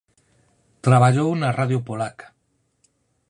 Traballou na Radio polaca.